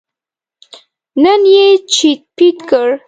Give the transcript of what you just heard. نن یې چیت پیت کړ.